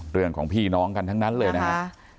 เรื่องของพี่น้องกันทั้งนั้นเลยนะครับ